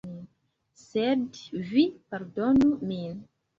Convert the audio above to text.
Sed vi pardonu min.